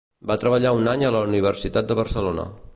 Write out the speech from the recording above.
Va treballar un any a la Universitat de Barcelona.